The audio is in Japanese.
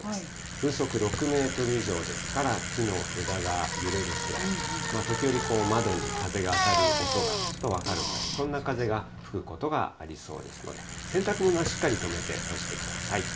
風速６メートル以上ですから、木の枝が揺れるくらい、時折、窓に風が当たる音がちょっと分かるくらい、そんな風が吹くことがありそうですので、洗濯物はしっかり留めて干してください。